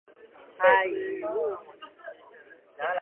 電磁與物質